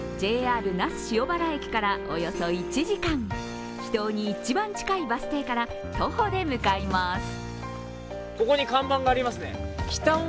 ＪＲ那須塩原駅からおよそ１時間、秘湯に一番近いバス停から徒歩で向かいます。